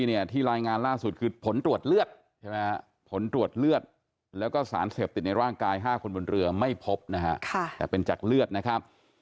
ให้เลือกแหล่งอื่นก่อนที่น่าเชื่อถือมากกว่า